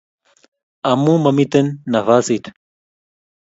amu mamiten nafasit